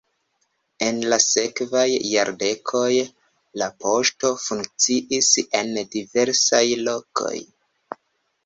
En la sekvaj jardekoj la poŝto funkciis en diversaj lokoj.